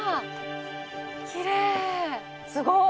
きれいすごい！